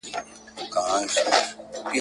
خلکو لمر سپوږمۍ د ده قدرت بللای !.